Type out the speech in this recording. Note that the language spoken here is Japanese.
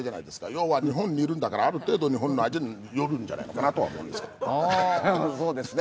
要は日本にいるんだからある程度日本の味に寄るんじゃないのかなとは思いますけどね。